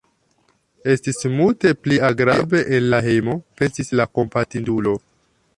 "Estis multe pli agrable en la hejmo," pensis la kompatindulo.